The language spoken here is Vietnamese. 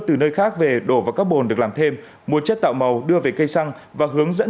từ nơi khác về đổ vào các bồn được làm thêm mua chất tạo màu đưa về cây xăng và hướng dẫn